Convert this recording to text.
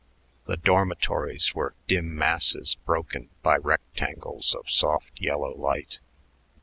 The dormitories were dim masses broken by rectangles of soft yellow light.